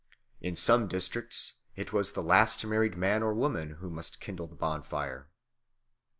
In some districts it was the last married man or woman who must kindle the bonfire.